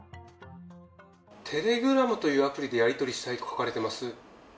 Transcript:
テレグラムというアプリでやり取りしたいと書かれています。